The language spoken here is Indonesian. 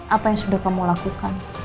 apa yang sudah kamu lakukan